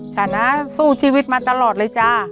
ฉันนะสู้ชีวิตมาตลอดเลยจ้า